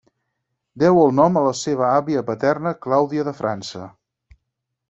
Deu el nom de la seva àvia paterna Clàudia de França.